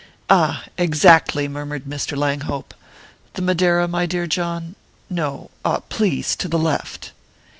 "Ah exactly," murmured Mr. Langhope. "The madeira, my dear John? No ah please to the left!"